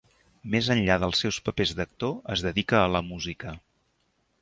Més enllà dels seus papers d'actor es dedica a la música.